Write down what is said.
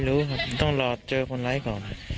ไม่รู้ครับต้องหลอกเจอคนร้ายก่อน